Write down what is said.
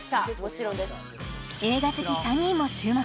映画好き３人も注目